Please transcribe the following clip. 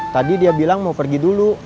tadi dia bilang mau pergi dulu